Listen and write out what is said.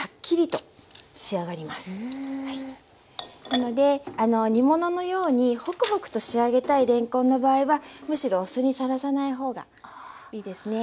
なので煮物のようにホクホクと仕上げたいれんこんの場合はむしろお酢にさらさない方がいいですね。